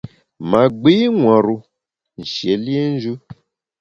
Ma gbi nwar-u nshié liénjù.